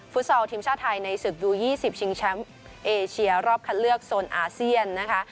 ซอลทีมชาติไทยในศึกยู๒๐ชิงแชมป์เอเชียรอบคัดเลือกโซนอาเซียนนะคะ